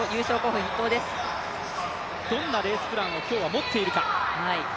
どんなレースプランを今日は持っているか。